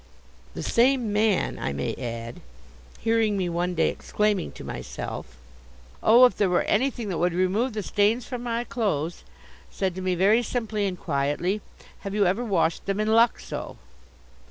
The same man, I may add, hearing me one day exclaiming to myself: "Oh, if there were anything that would remove the stains from my clothes!" said to me very simply and quietly: "Have you ever washed them in luxo?"